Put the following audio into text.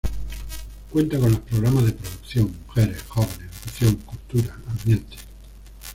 Cuenta con los programas de Producción, Mujeres, Jóvenes, Educación, Cultura, Ambiente.